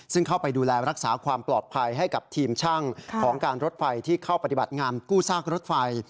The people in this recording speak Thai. ซึ่งเข้าไปดูแลรักษาความปลอดภัยให้กับทีมช่างของการรถไฟที่เข้าปฏิบัติงานกู้ซากรถไฟ